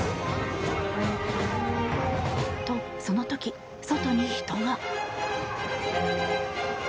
と、その時、外に人が。